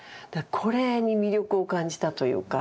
これに魅力を感じたというか。